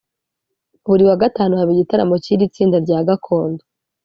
buri wa Gatanu haba igitaramo cy’iri tsinda rya Gakondo